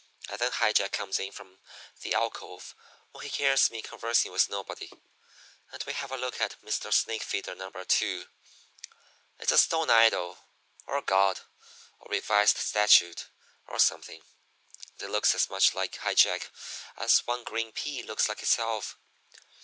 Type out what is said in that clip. "And then High Jack comes in from the alcove when he hears me conversing with nobody, and we have a look at Mr. Snakefeeder No. 2. It's a stone idol, or god, or revised statute or something, and it looks as much like High Jack as one green pea looks like itself.